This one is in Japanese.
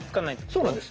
そうなんです。